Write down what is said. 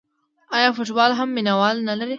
آیا فوتبال هم مینه وال نلري؟